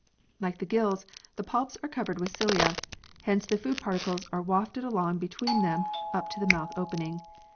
Like the gills, the palps are covered with cilia, hence the food particles are wafted along between them up to the mouth opening.